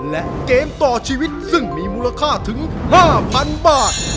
และเกมต่อชีวิตซึ่งมีมูลค่าถึง๕๐๐๐บาท